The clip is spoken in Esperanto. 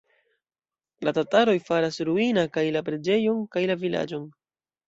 La tataroj faras ruina kaj la preĝejon, kaj la vilaĝon.